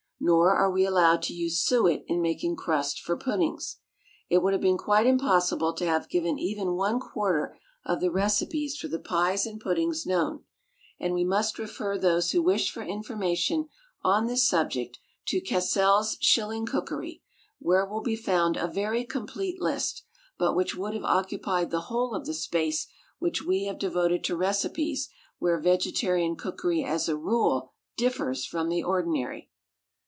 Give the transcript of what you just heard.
Nor are we allowed to use suet in making crust for puddings. It would have been quite impossible to have given even one quarter of the recipes for the pies and puddings known, and we must refer those who wish for information on this subject to "Cassell's Shilling Cookery," where will be found a very complete list, but which would have occupied the whole of the space which we have devoted to recipes where vegetarian cookery, as a rule, differs from the ordinary.